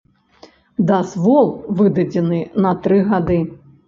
Дазвол выдадзены на тры гады.